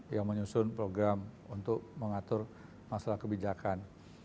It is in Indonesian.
yang menyusun program untuk mengatur masalah kebijakan